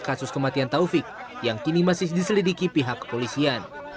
kasus kematian taufik yang kini masih diselidiki pihak kepolisian